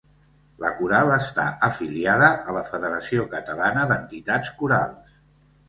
La coral està afiliada a la Federació Catalana d'Entitats Corals.